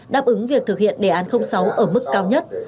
đáp ứng việc thực hiện đề án sáu ở mức cao nhất